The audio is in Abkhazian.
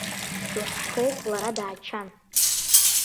Лҳхеит лара дааччан.